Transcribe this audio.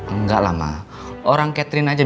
enggak lah ma orang catherine aja